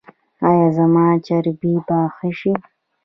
ایا زما چربي به ښه شي؟